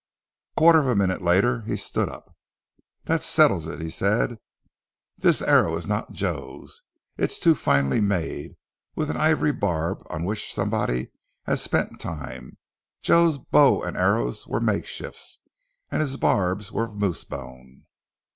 Quarter of a minute later he stood up. "This settles it," he said. "This arrow is not Joe's. It is too finely made, with an ivory barb on which somebody has spent time. Joe's bow and arrows were makeshifts, and his barbs were of moose bone!"